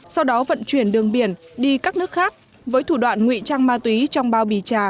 sau đó vận chuyển đường biển đi các nước khác với thủ đoạn ngụy trang ma túy trong bao bì trà